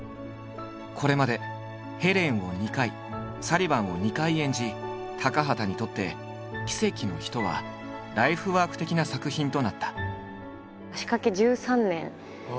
これまでヘレンを２回サリヴァンを２回演じ高畑にとって「奇跡の人」はライフワーク的な作品となった。